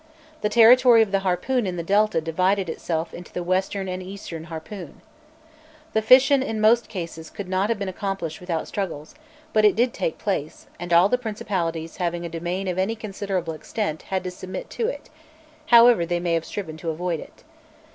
The territory of the Harpoon in the Delta divided itself into the Western and Eastern Harpoon. The fission in most cases could not have been accomplished without struggles; but it did take place, and all the principalities having a domain of any considerable extent had to submit to it, however they may have striven to avoid it.